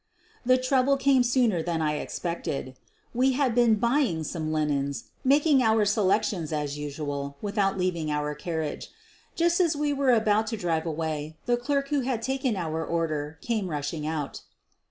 The trouble came sooner than I expected. We had been "buying" some linens — making our selec tions, as usual, without leaving our carriage. Just as we were about to drive away the clerk who had taken our order came rushing out.